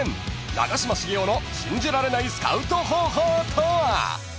［長嶋茂雄の信じられないスカウト方法とは］